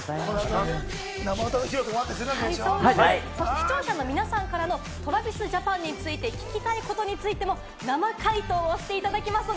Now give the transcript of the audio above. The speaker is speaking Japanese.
視聴者の皆さんからのＴｒａｖｉｓＪａｐａｎに聞きたいことについても生回答していただきます！